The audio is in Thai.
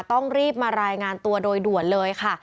ต้องรีบมารายงานตัวโดยด่วนเลยค่ะ